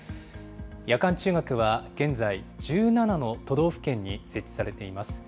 夜間中学は現在１７の都道府県に設置されています。